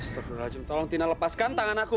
setelah rajin tolong tina lepaskan tangan aku